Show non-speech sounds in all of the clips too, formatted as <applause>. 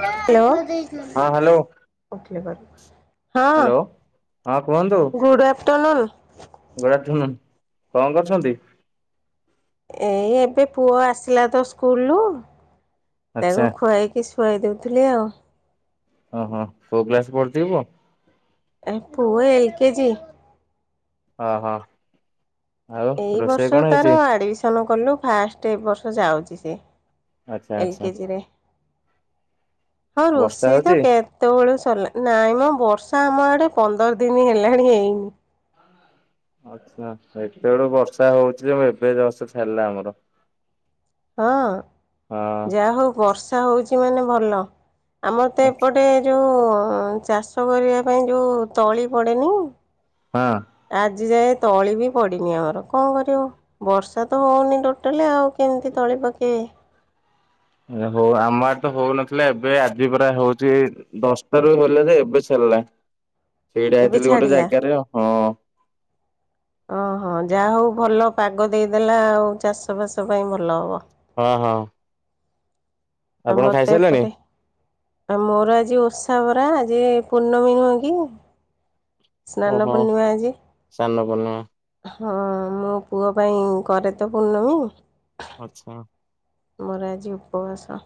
ହଁ, hello, hello! ହଁ, କୁହନ୍ତୁ। ତଲଲ୍। ଗଳାଝୁନ୍ କଣ କରୁଛନ୍ତି? ଏଇ ଏବେ ପୁଅ ଆସିଲା ତ ସ୍କୁଲ ରୁ! ଆଚ୍ଛା ତାକୁ ଖୁଆଇକି ଶୁ ଉଆଇ ଦେଉଥିଲି ଆଉ। ଓହୋ! କୋଉ କ୍ଲାସ୍ ପଢୁଚିକି ପୁଅ? ଏ ପୁଅ ଏଲ୍ କେଜି। ହ ହଁ। ଏଇ ବର୍ଷ ତାର ଆଡମିସନ୍ କଲୁ। ଫାଷ୍ଟ ଏ ବର୍ଷ ଯାଉଛି ସେ। ଆଚ୍ଛା ଏଲ ଆଚ୍ଛା। କେଜିରେ ହଁ, ବର୍ଷା ରୋଷେଇ ତ ହଉଛି? କେତେବେଳୁ ସ ସଲା। ନାଇଁ ମ, ବର୍ଷା ଆମ ଆଡେ ପନ୍ଦର ଦିନ ହେଲାଣି ହେଇନି। ଆଚ୍ଛା, ହେତେବେଳୁ ବର୍ଷା ହଉଛି ଯେ, ଏବେ ଜଷ୍ ଛାରଲା ଆମର। ହଁ, ହଁ ଯାହା ହଉ ବର୍ଷା ହଉଛି ମାନେ ଭଲ। ଆମର ତ ଏପଟେ ଯୋଉଁ ହଁ, ଚାଷ କରିବା ପାଇଁ ଯଉଁ ତଳି ପଡ଼େନି! ହଁ ଆଜି ଯାଏଁ ତ୍ ତଳି ବି ପଡ଼ିନି ଆମର। କଣ କରିବ! ବର୍ଷା ତ ହଉନି ଟୋଟାଲି ଆଉ କେମିତି ତଳି ପକେଇବେ? ଓହୋ ଆମ ଆଡ ତ ହଉନଥିଲା ଏବେ ଆଜି ପରା ହଉଛି ଦଶଟାରୁ ହେଲେ ଯେ ଏବେ ସରଲା। ସେଇଟା ଏବେ ଆଇଥିଲୁ ଗୋଟେ ଛାଡ଼ିଲା ଜାଗାରେ ହଁ। ଓହୋ ଯାହା ହଉ ଭଲ ପାଗ ଦେଇଦେଲା ଆଉ ଚାଷବାସ ପାଇଁ ଭଲ ହବ। ହଁ ହଁ। ଆଉ ଆପଣ ମତେ ଖାଇସାରିଲେଣି? ଏପଟେ ଆଉ ମୋର ଆଜି ଓଷା ବରା ଯେ ପୂର୍ଣ୍ଣମୀ ନୁହେଁ କି ସ୍ନାନ ଓହୋ ପୂର୍ଣ୍ଣିମା ଆଜି। ସାନ ପୂର୍ଣ୍ଣିମା ହଁ ମୋ ପୁଅ ପାଇଁ କରେ ତ ପୂର୍ଣ୍ଣମୀ। ଆଚ୍ଛା। ମୋର ଆଜି ଉପବାସ।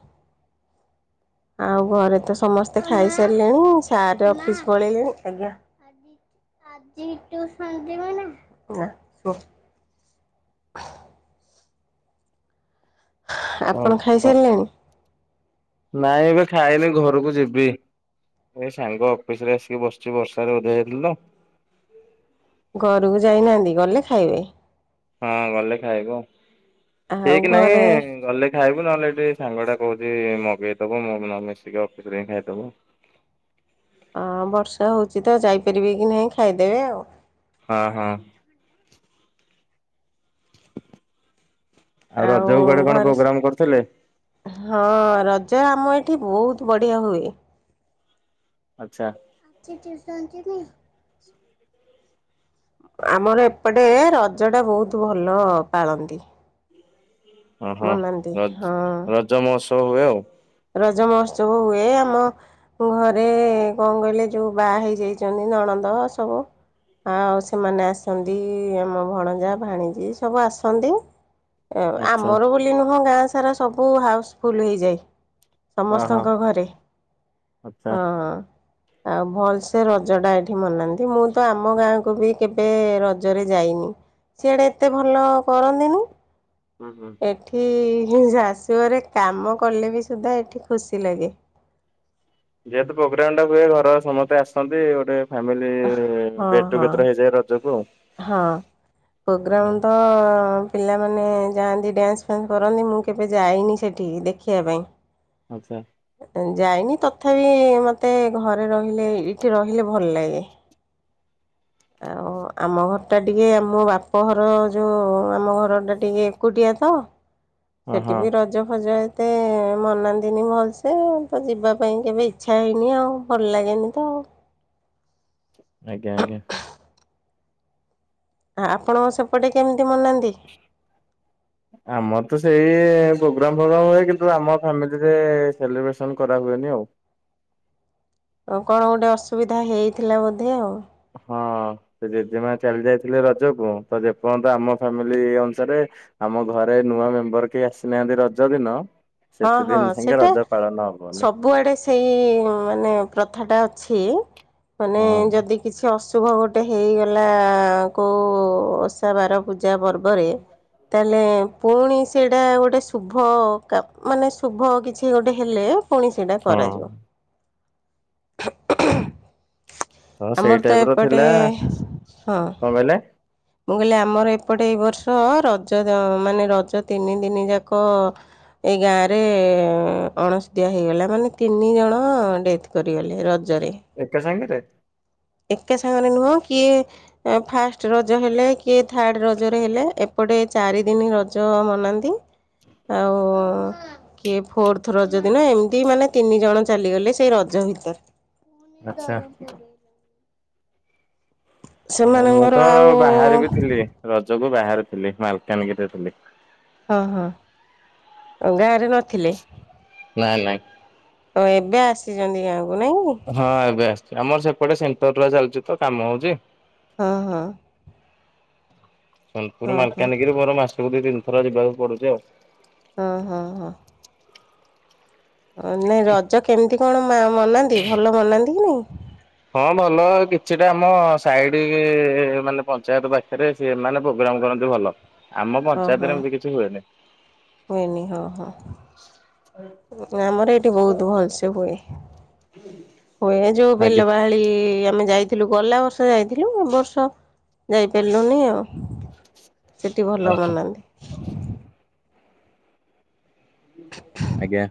ଆଉ ଘରେ ତ ସମସ୍ତେ ଖାଇସାରିଲେଣି ସାର୍ ଅଫିସ ପଳେଇଲେଣି ଆଜ୍ଞା ଆଜି ଟୁ ସନଯିବିନି ନା ବ। <inaudible> କଣ ଆପଣ କଣ ଖାଇସାରିଲେଣି? ନାଇଁ ଏବେ ଖାଇନି ଘରକୁ ଯିବି। ଏ ସାଙ୍ଗ ଅଫିସ ରେ ଆସିକି ବସିଚି ବର୍ଷରେ ଓଦା ହୋଇ ଯାଇଥିଲ ତ। ଘରକୁ ଯାଇନାହାନ୍ତି ଗଲେ ଖାଇବେ। ହଁ ଗଲେ ଖାଇବୁ ଆଉ ଠିକ୍ ନାହିଁ ଘରେ ଗଲେ ଖାଇବୁ ନହେଲେ ଏଠି ସାଙ୍ଗ ଟା କହୁଛି ମଗେଇଦବ ମୋମୋ ମିଶିକି ଅଫିସ ରେ ହିଁ ଖାଇଦବୁ। ହଁ ବର୍ଷା ହଉଛି ତ ଯାଇପାରିବେ କି ନାହିଁ ଖାଇଦେବେ ଆଉ। ହଁ ହଁ। <inaudible> ଆଉ ରଜକୁ କୁଆଡେ କଣ ଘରେ ପ୍ରୋଗ୍ରାମ କରିଥିଲେ? ସ ହଁ ରଜ ଜ ଆମ ଏଇଠି ବହୁତ ବଢ଼ିଆ ହୁଏ। ଆଛା। ଆଜି ଟିୟୁସନ୍‌ ଯିବି? ଆମର ଏପଟେ ରଜ ଟା ବହୁତ ଭଲ ପାଳନ୍ତି। ହଁ ହଁ ମନାନ୍ତି ହଁ ରଜ-ରଜ ମହୋତ୍ସବ ହୁଏ ଆଉ। ରଜ ମହୋତ୍ସବ ହୁଏ ଆମ ଘରେ କଣ କହିଲେ ଯେଉଁ ବାହା ହେଇଯାଇଛନ୍ତି ନଣନ୍ଦ ନ୍ଦ ସବୁ। ଆଉ ସେମାନେ ଆସନ୍ତି ଆମ ଭଣଜା ଭାଣିଜୀ ସବୁ ଆସନ୍ତି। ଆଚ୍ଛା ଆମର ବୋଲି ନୁହଁ ଗାଁ ସାରା ସବୁ ହାଉସଫୁଲ ହେଇଯାଏ। ହଁ ହଁ ସମସ୍ତଙ୍କ ଘରେ ଆଚ୍ଛା। ହଁ ହଁ। ଆଉ ଭଲ ସେେ ରଜଟା ଏଠି ମନାନ୍ତି ମୁଁ ତ ଆମ ଗାଁକୁ ବି କେବେ ରଜରେ ଯାଇନି। ସିଆଡ଼େ ଏତେ ଭଲ କରନ୍ତିନି। ହୁଁ ହୁଁ। ଏଠି ଶାଶୁଘରେ କାମ କଲେ ବି ସୁଦ୍ଧା ଏଠି ଖୁସି ଲାଗେ। ଯେହେତୁ ପ୍ରୋଗ୍ରାମ ଟା ହୁହେ ଘରର ସମସ୍ତେ ଆସନ୍ତି ଗୋଟେ ଫ୍ୟାମିଲି ହଁ ଗେଟ ହଁ ଟୁଗେଦର ହେଇଯାଏ ରଜକୁ ଆଉ। ହଁ ହଁ ପ୍ରୋଗ୍ରାମ ତ ପିଲାମାନେ ଯାଆନ୍ତି ଡ୍ୟାନ୍ସ ଫାନ୍ସ କରନ୍ତି ମୁଁ କେବେ ଯାଇନି ସେଠିକି ଦେଖିବା ପାଇଁ। ଆଚ୍ଛା ଯାଇନି ତଥାପି ମତେ ଘରେ ରହିଲେ ଏଇଠି ରହିଲେ ଭଲ ଲାଗେ। ଆଉ <inaudible> ଆମ ଘରଟା ଟିକେ ଆମ ବାପଘର ଯେଉଁ ଆମ ଘରଟା ଟିକେ ଏକୁଟିଆ ତ। ହଁ ସେଠି ହଁ ବି ରଜ ଭଜ ଏ <inaudible> ମନାନ୍ତିନି ଭଲସେ ତ ଯିବା ପାଇଁ କେବେ ଇଚ୍ଛା ହେଇନି ଆଉ ଭଲ ଲାଗେନି ତ। <inaudible> ଆଜ୍ଞା ଆଜ୍ଞା। ଆ-ଆପଣଙ୍କ ସେପଟେ କେମିତି ମନାନ୍ତି? ଆମର ତ ସେଇ ପ୍ରୋଗ୍ରାମ ଫୋଗ୍ରାମ ହୁଏ କିନ୍ତୁ ଆମ ଫାମିଲିରେ ସେଲିବ୍ରେସନ କରା ହୁଏନି ଆଉ। ହ <inaudible> ଆଉ କଣ ଗୋଟେ ଅସୁବିଧା ହେଇଥିଲା ବୋଧେ ଆଉ। ହଁ। ସେ ଜେଜେମା ଚାଲି ଯାଇଥିଲେ ରଜକୁ ତ ଯେପର୍ଯ୍ୟନ୍ତ ଆମ ଫ୍ୟାମିଲି ଅନୁସାରେ ଆମ ଘରେ ନୂଆ ମେମ୍ବର କେହି ଆସିନାହାନ୍ତି ରଜ ଦିନ ହଁ ସେତେ ହଁ ଦିନ ଯାଙ୍କେ ସେଟା ରଜ ପାଳନ ହବନି ସବୁଆଡେ ସେଇ ମାନେ ପ୍ରଥାଟା ଅଛି ମାନେ ହଁ ଯଦି କିଛି ଅସୁ ଶୁଭ ଗୋଟେ ହେଇଗଲା କୋଉ ଓଷା ବାର ପୂ ଜା ପର୍ବରେ ତାହେଲେ ପୁଣି ସେଇଟା ଗୋଟେ ଶୁଭ କା ମାନେ ଶୁଭ କିଛି ଗୋଟେ ହେଲେ ପୁଣି ସେଇଟା ହଁ କରାଯିବ। ତ ସେଇ ଆମର ତ ଟାଇପ ର ଏପଟେ ଥିଲା ହୁଁ। କଣ କହିଲେ? ମୁଁ କହିଲି ଆମର ଏପଟେ ଏଇ ବର୍ଷ ରଜ ଦ ମାନେ ରଜ ତିନି ଦିନି ଯାକ ଏଇ ଗାଁରେ ଅଣସୋଦିଆ ହେଇଗଲା ମାନେ ତିନି ଜଣ ଡେଥ କରିଗଲେ ର ଏକା ସାଙ୍ଗେରେ? ଏକା ସାଙ୍ଗରେ ନୁହଁ କିଏ ଏ ଫାଷ୍ଟ ରଜ ହେଲେ କିଏ ଥାର୍ଡ ରଜରେ ହେଲେ ଏପ ଏପଟେ ଚାରିଦିନି ରଜ ମନାନ୍ତି। ଆଉ କିଏ ଫୋର୍ଥ ରଜ ଦିନ ଏମିତି ମାନେ ତିନି ଜଣ ଚାଲିଗଲେ ସେଇ ରଜ ଭିତରେ। ଆଚ୍ଛା। ହ ହଉ ମୁଁ ସେମାନଙ୍କର ତ ଆଉ ବାହାରେ ବି ଥିଲି ରଜକୁ ବାହାରେ ଥିଲି ମାଲକାନଗିରିରେ ଥିଲି। ହଁ ହଁ। ଆଉ ଗାଁରେ ନଥିଲେ? ନାଇଁ ନାଇଁ। ଓହୋ ଏବେ ଆସିଛନ୍ତି ଗାଁ। ହଁ ଏବେ ଆସିଛି ଆମର ସେପଟେ ସେଣ୍ଟରୁଆ ଚାଲିଚି ତ କାମ ହଉଚି। ହଁ ହଁ। ସୋନପୁର ହଁ ହଁ ମାଲକାନଗିରି ମୋର ମାସକୁ ଦୁଇ ତିନିଥର ଯିବାକୁ ପଡୁଚି ଆଉ। ହଁ ହଁ ହଁ। ଅ ନାଇଁ ରଜ କେମିତି କଣ ମା-ମନାନ୍ତି ଭଲ ମନାନ୍ତି କି ନାଇଁ? ହଁ ଭଲ କିଛିଟା ଆମ ସାଇଡି ମାନେ ପଞ୍ଚାୟତ ପାଖେରେ ସେମାନେ ପୋଗା ଗ୍ରାମ କରନ୍ତି ଭଲ। ଆମ ହଁ ହଁ ପଞ୍ଚାୟତରେ ଏମିତି କିଛି ହୁଏନି। ହୁଏନି ହଁ ହଁ। ଉଁ ଆମର ଏଇଠି ବହୁତ ଭଲସେ ହୁଏ। ହୁଏ ଯୋଉ ଆଜ୍ଞା ବେଲବାହାଳି ଆମେ ଯାଇ ଥିଲୁ ଗଲା ବର୍ଷ ଯାଇଥିଲୁ ଏ ବର୍ଷ ଯାଇପାରିଲୁନି ଆଉ। ସେଠି ଭଲ ଓହୋ ମନାନ୍ତି। ଆଜ୍ଞା।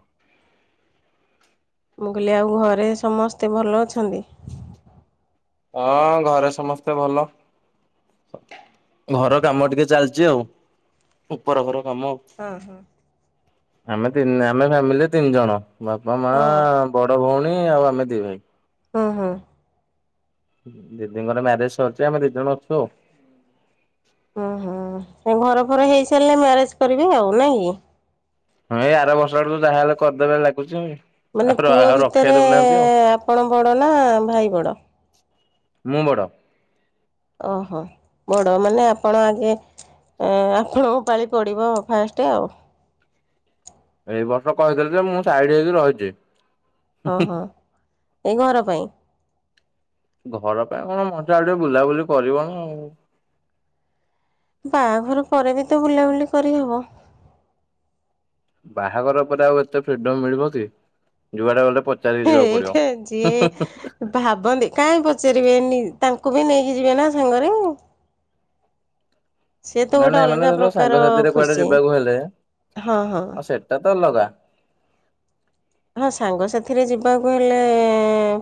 ମୁଁ କହିଲି ଆଉ ଘରେ ସମସ୍ତେ ଭଲ ଅଛନ୍ତି? ହଁ ଘରେ ସମସ୍ତେ ଭଲ। ଘର କାମ ଟିକେ ଚାଲିଚି ଆଉ ଉପର ଘର। ଆମ ହଁ ହଁ ଆମେ ତିନି ଆମେ ଫ୍ୟାମିଲିରେ ତିନି ଜଣ। ବାପା, ହଁ। ମାଆ, ବଡ ଭଉଣୀ ଆଉ ଆମେ ଦି ଭାଇ। ହଁ ହଁ। ଦିଦିଙ୍କର ମ୍ୟାରେଜ ସରଚି ଆମେ ଦି ଜଣ ଅଛୁ ଆଉ। ହୁଁ ହୁଁ ହୁଁ ଘର ଫର ହେଇ ସାରିଲେ ମ୍ୟାରେଜ କରିବେ ଆଉ ନାଇଁ କି? ହଁ ଏଇ ଆର ବର୍ଷ ଆଡୁକୁୁ ଯାହାହେଲେ କରଦେବେ ଲାଗୁଛି। ମାନେ ଆଉ ପୁଅ ଆଉ ରଖେଇ ଭିତରେ ଦଉନାହାନ୍ତି ଆଉ ଆପଣ ବଡ ନା ଭାଇ ବଡ? ମୁଁ ବଡ଼। ଓହୋ ବଡ ମାନେ ଆପଣ ଆଗେ ଏ ଆପଣଙ୍କ ପାଳି ପଡିବ ଫାଷ୍ଟେ ଆଉ। ଏଇ ବର୍ଷ କହିଥିଲେ ଯେ ମୁଁ ସାଇଡି ହେଇକି ରହିଛି। ହଁ ହଁ। ଏଇ ଘର ପାଇଁ? ଘର ପାଇଁ କଣ ମଜା ଆଉ ଟିକେ ବୁଲାବୁଲି କରିବ ଆଉ। ବାହାଘର ପରେ ବି ତ ବୁଲାବୁଲି କରିହବ। ବାହାଘର ପରେ ଆଉ ଏତେ ଫ୍ରିଡମ ମିଳିବ କି ଯୁଆଟା ଗଲେ ପଚାରିକି ଯିବାକୁ ପଡିବ। ହୁଁ ଏଇଟା ଯିଏ ହୁଁ ଭାବନ୍ତି କାଇଁ ହିଁ ପଚାରିବେନି। ତାଙ୍କୁ ବି ନେଇକି ଯିବେନା ସାଙ୍ଗରେ। ସିଏ ତ ନାଇଁ ଗୋଟେ ନାଇଁ ମାନେ ଅଲଗା ତ ପ୍ରକାର ସାଙ୍ଗସାଥିରେ କୁଆଡେ ଖୁସି ଯିବାକୁ ହେଲେ ହଁ ହଁ। ଆଉ ସେଟା ତ ଅଲଗା <inaudible> ହଁ ସାଙ୍ଗସାଥିରେ ଯିବାକୁ ହେଲେ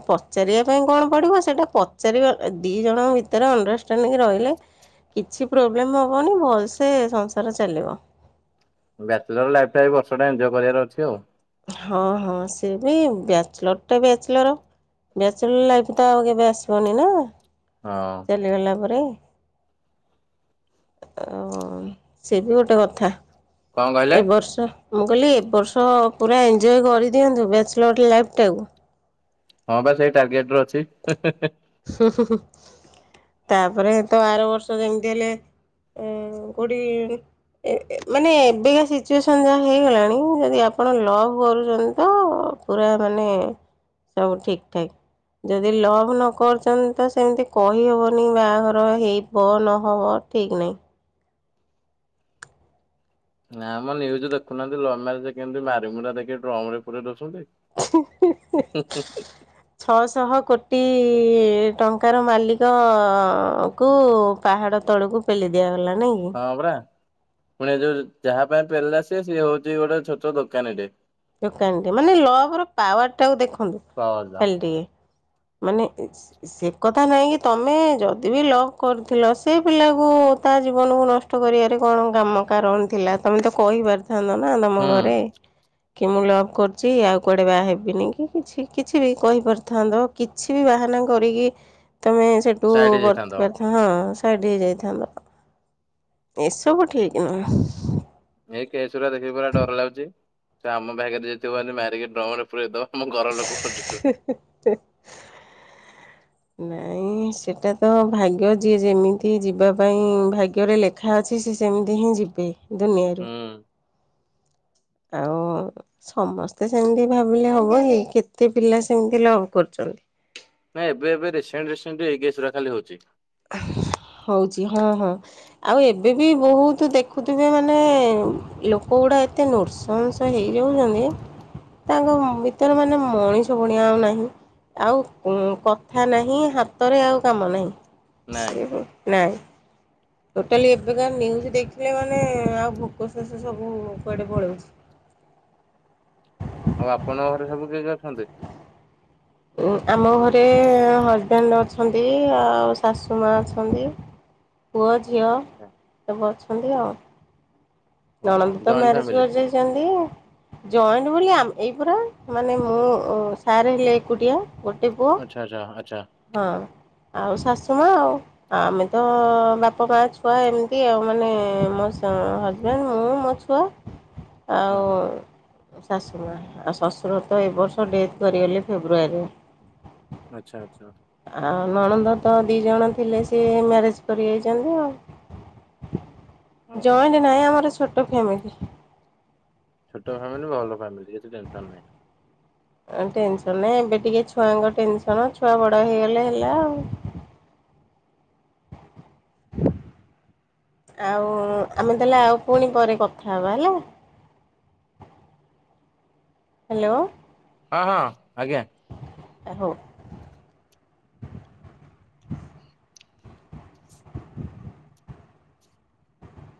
ପଚାରିବା ପାଇଁ କଣ ପଡିବ ସେଇଟା ପଚାରିବା ଦି ଜଣ ଭିତରେ ଅଣ୍ଡରଷ୍ଟାଣ୍ଡିଙ୍ଗ ରହିଲେ କିଛି ପ୍ରୋବ୍ଲେମ ହବନି ଭଲସେ ସଂସାର ଚାଲିବ। ବ୍ୟାଚଲର ଲାଇଫ ଟା ଏ ବର୍ଷଟା ଏନଜୟ କରିବାର ଅଛି ଆଉ। ହଁ ହଁ ସି ବି ବ୍ୟାଚଲର ଟେ ବ୍ୟାଚଲର। ବ୍ୟାଚଲର ଲାଇଫ ତ ଆଉ କେବେ ଆସିବନି ନା ହଁ ଚାଲିଗଲା ପରେ। ଓ ସେ ବି ଗୋଟେ କଥା କଣ କହିଲେ? ଏ ବର୍ଷ ମୁଁ କହିଲି ଏବ ବର୍ଷ ପୁରା ଏନଜୟ କରିଦିଅନ୍ତୁ ବ୍ୟାଚଲର୍ ଲାଇଫଟାକୁ। ହଁ ପା ସେଇ ଟାର୍ଗେଟ ରେ ଅଛି। ତାପରେ ତ ଆର ବର୍ଷ ଯେମିତି ହେଲେ ଆ କୋଉଠି ମାନେ ଏବେକା ସିଚୁଏସନ ଯାହା ହେଇଗଲାଣି ଯଦି ଆପଣ ଲଭ କରୁଛନ୍ତି ତ ପୁରା ମାନେ ସବୁ ଠିକ୍ ଠାକ୍ ଯଦି ଲଭ୍ ନ କରୁଛନ୍ତି ତ ସେମିତି କହିବନି ବାହାଘର ହେବ ନହବ ଠିକ ନାହିଁ। ନା ମ ନ୍ୟୁଜ ଦେଖୁନାହାନ୍ତି ଲଭ ମ୍ୟାରେଜ କେମିତି ମାରି ମୁରା ଦେଇକି ଡ୍ରମରେ ପୁରେଇ ଦଉଛନ୍ତି। ହୁଁ ଛଅଶହ କୋଟି ଟଙ୍କାର ମାଲିକକୁ ପାହାଡ ତଳକୁ ପେଲି ଦିଆ ଲାଇନ ନାହିଁ କି? ହୁଁ ହଁ ପରା ପୁଣି ଏ ଯୋଉ ଯାହା ପାଇଁ ପେଲିଲା ସିଏ ହଉଛି ଗୋଟେ ଛୋଟ ଦୋକାନିଟେ। ଦୋକାନୀ ଟେ ମାନେ ଲଭ ର ପାୱାର ଟାକୁ ଦେଖନ୍ତୁ ଖାଲି ଟିକେ। ମାନେ ସେ କଥା ନାଇଁ କି ତମେ ଯଦି ବିି ଲଭ କରୁଥିଲ ସେ ପିଲାକୁ ତା ଜୀବନକୁ ନଷ୍ଟ କରିବାରେ କଣ କାମ କାରଣ ଥିଲା ତମେ ତ କହିବାର ଥାନ୍ତ ନା ତମ ହୁଁ। ଘରେ। କି ମୁଁ ଲଭ୍ କରୁଛି ଆଉ କୁଆଡେ ବାହା ହେବିନି କି କିଛି କିଛି ବି କହିପାରିଥାନ୍ତ କିଛି ବି ବା କରିକି ତମେ ସେଠୁ ସାଇଡ ବର୍ତ୍ତି ହେଇଯାଇଥାନ୍ତ ପାରିଥାନ୍ତ ହଁ। ସେଇଠିକି ଯାଇଥାନ୍ତ ଏସବୁ ଠିକ ନୁହେଁ। ଏଇ କେସ ଗୁରା ଦେଖିକି ପୁରା ଡର ଲାଗୁିଚି ସେ ଆମ ଭାଗ୍ୟରେ ଯଦିଥିବ ଏମିତି ମାରିକି ଡ୍ରମରେ ପୁରେଇଦବ। ଆମ ଘର ଲୋକ ଖୋଜୁଥିବେ। <inaudible> ନାଇଁ ସେଟା ତ ଭାଗ୍ୟ ଯିଏ ଯେମିତି ଯିବା ପାଇଁ ଭାଗ୍ୟରେ ଲେଖା ଅଛି ସେ ସେମିତି ହିଁ ଯିବି ଦୁନିଆରୁ। ହୁଁ ଆଉ ହଁ ସମସ୍ତେ ସେମିତି ଭାବିଲେ ହବ ଏ କେତେ ପିଲା ସେମିତି ଲଭ୍ କରୁଛନ୍ତି। ନାଇଁ ଏବେ ଏବେ ରିସେଣ୍ଟ ରିସେଣ୍ଟ ଏଇ କେସ ଗୁଡା ଖାଲି ହଉଛି। <inaudible> ହଉଛି ହଁ ହଁ ଆଉ ଏବେ ବି ବହୁତ ଦେଖୁଥିବେ ମାନେ ଲୋକ ଗୋଟେ ଲୋକଗୁଡ଼ା ଏତେ ନୃଶଂସ ହେଇଯାଉଛନ୍ତି ତାଙ୍କ ଭିତରେ ମାନେ ମଣିଷ ପଣିଆ ଆଉ ନାହିଁ। ଆଉ କଥା ନାହିଁ ହାତରେ ଆଉ କାମ ନାହିଁ। ନାଇଁ ସେ ନାଇଁ। ଟୋଟାଲି ଏବେ ଯୋଉ ନିଉୟୁଜ ଦେଖିଲେ ମାନେ ଆଉ ଭୋକ ଶୋଷ ସବୁ କୁଆଡେ ପଳଉଛି। ଆଉ ଆପଣଙ୍କ ଘରେ ସବୁ କିଏ କିଏ ଅଛନ୍ତି? ଆମ ଘରେ ହଜବେଣ୍ଡ ଅଛନ୍ତି ଆଉ ଶାଶୁ ମା ଅଛନ୍ତି। ପୁଅ ଝିଅ ସବୁ ଅଛନ୍ତି ଆଉ। ଓହୋ ନଣନ୍ଦ ତ ଜଏଣ୍ଟ ମ୍ୟାରେଜ ଫ୍ୟାମିଲି କରିଯାଇଛନ୍ତି। ଜଏଣ୍ଟ ବୋଲି ଆମେ ଏଇ ପରା ମାନେ ମୁଁ ଉଁ ସାର୍ ହେଲେ ଏକୁଟିଆ ଗୋଟେ ପୁଅ ଆଚ୍ଛା ଆଚ୍ଛା ଆଚ୍ଛା ହଁ। ଆଉ ଶାଶୂମା ଆଉ। ଆମେ ତ ବାପ ମା ଛୁଆ ଏମତି ଆଉ ମାନେ ମୋ ଶା ମୋ ହଜବ୍ୟାଣ୍ଡ, ମୁଁ, ମୋ ଛୁଆ। ହଁ ଆଉ ହଁ ଏ ଶାଶୂ ମା। ଆଉ ଶ୍ୱଶୁର ତ ଏ ବର୍ଷ ଡେଥ୍ କରିଗଲେ ଫେବୃଆରୀରେ। ଆଚ୍ଛା ଆଚ୍ଛା। ଆଉ ନଣନ୍ଦ ତ ଦି ଜଣ ଥିଲେ ସିଏ ମ୍ୟାରେଜ କରି ଯାଇଚନ୍ତି ଆଉ। <unintelligible> ଓହୋ। ଜଏଣ୍ଟ ନାହିଁ ଆମର ଛୋଟ ଫ୍ୟାମିଲି। ଛୋଟ ଫ୍ୟାମିଲି ଭଲ ଫ୍ୟାମିଲି କିଛି ଟେନସନ ନାହିଁ। ଟେନସନ ନାହିଁ ଏବେ ଟିକେ ଛୁଆଙ୍କ ଟେନସନ, ଛୁଆ ବଡ ହେଇଗଲେ ହେଲା ଆଉ। <unintelligible> ଆ <unintelligible> ଆଉ ଆମେ ତାହାଲେ ଆଉ ପୁଣି ପରେ କଥା ହେବା ହେଲା। ଆ <unintelligible> ହ୍ୟାଲୋ। ହଁ ହଁ ଆଜ୍ଞା। <inaudible>